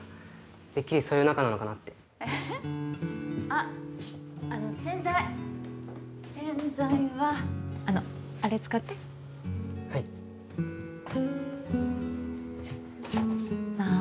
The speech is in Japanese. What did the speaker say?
てっきりそういう仲なのかなってえっあっあの洗剤洗剤はあのあれ使ってはいまあ